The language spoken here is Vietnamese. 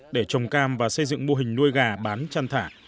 để trồng cam và xây dựng mô hình nuôi gà bán chăn thả